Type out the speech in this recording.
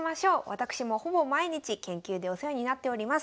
私もほぼ毎日研究でお世話になっております